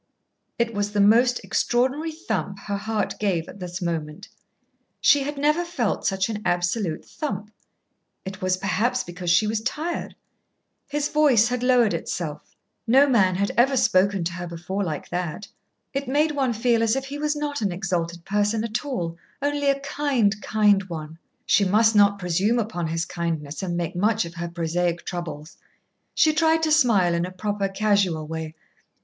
It was the most extraordinary thump her heart gave at this moment. She had never felt such an absolute thump. It was perhaps because she was tired. His voice had lowered itself. No man had ever spoken to her before like that. It made one feel as if he was not an exalted person at all; only a kind, kind one. She must not presume upon his kindness and make much of her prosaic troubles. She tried to smile in a proper casual way.